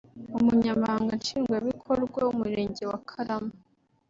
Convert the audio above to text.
Umunyamabanga nshingwabikorwa w’Umurenge wa Karama